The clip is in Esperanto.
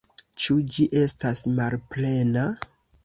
Ĉu ĝi estas malplena?